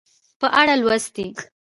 په اړه لوستي